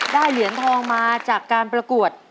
ได้เหลือทองมาจากการประกวด